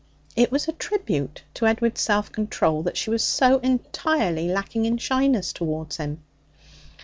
It was a tribute to Edward's self control that she was so entirely lacking in shyness towards him.